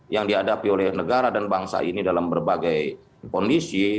yang dihadapi oleh negara dan bangsa ini dalam berbagai kondisi